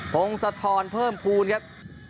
โพงสะทอนเพิ่มพูนครับ